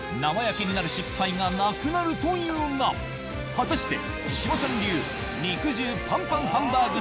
果たして店！